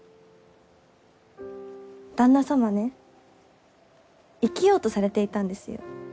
旦那様ね生きようとされていたんですよ。